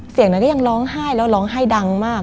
เสียงนั้นก็ยังร้องไห้แล้วร้องไห้ดังมาก